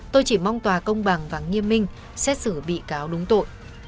tôi chỉ mong tòa công bằng và nghiêm minh xét xử bị cáo đúng tội